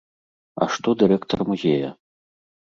А што дырэктар музея?